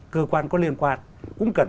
cơ quan có liên quan cũng cần